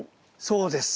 そうです。